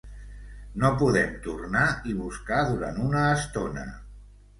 No podem tornar i buscar durant una estona.